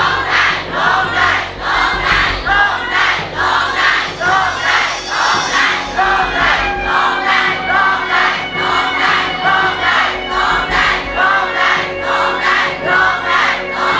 ร้องได้ร้องได้ร้องได้ร้องได้